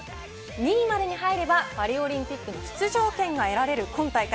２位までに入ればパリオリンピックの出場権が得られる今大会